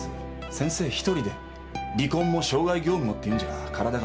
先生一人で離婚も渉外業務もっていうんじゃ体がもたない。